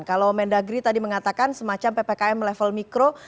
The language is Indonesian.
kalau mendagri tadi mengatakan semacam ppkm level mikro